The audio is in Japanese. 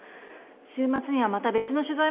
週末にはまた別の取材。